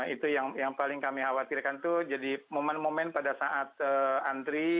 itu yang paling kami khawatirkan itu jadi momen momen pada saat antri